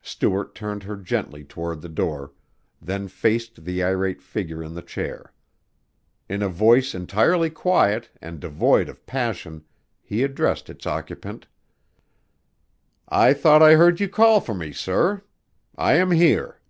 Stuart turned her gently toward the door, then faced the irate figure in the chair. In a voice entirely quiet and devoid of passion he addressed its occupant. "I thought I heard you call for me, sir. I am here."